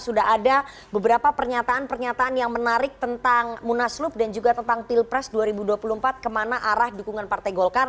sudah ada beberapa pernyataan pernyataan yang menarik tentang munaslup dan juga tentang pilpres dua ribu dua puluh empat kemana arah dukungan partai golkar